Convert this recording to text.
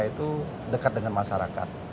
itu dekat dengan masyarakat